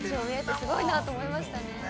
◆すごいなと思いましたね。